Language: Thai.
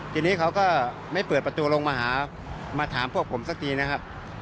ทีนี้เขาก็ไม่เปิดประตูลงมาหามาถามพวกผมสักทีนะครับ